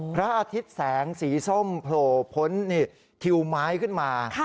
พระอาทิตย์แสงสีส้มโผล่พ้นทิวไม้ขึ้นมา